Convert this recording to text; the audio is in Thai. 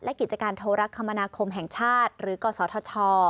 และกิจการโทรคมนาคมแห่งชาติหรือกศธช